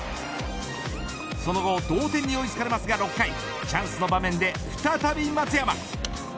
その後同点に追いつかれますが６回チャンスの場面で再び松山。